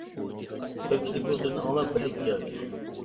كۆپچىلىك بۇ سۆزنى ئاڭلاپ بىرلىككە كەلدى.